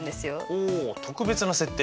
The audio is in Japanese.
おお特別な設定？